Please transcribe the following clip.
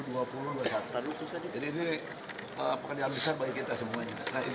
jadi ini akan diambil secara baik kita semuanya